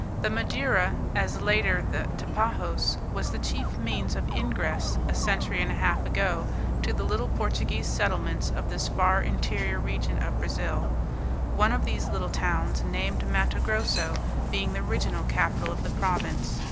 The Madeira (as later the Tapajos) was the chief means of ingress, a century and a half ago, to the little Portuguese settlements of this far interior region of Brazil; one of these little towns, named Matto Grosso, being the original capital of the province.